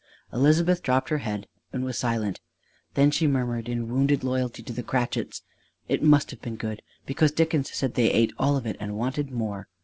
Elizabeth dropped her head and was silent; then she murmured, in wounded loyalty to the Cratchits: "It must have been good! Because Dickens said they ate all of it and wanted more.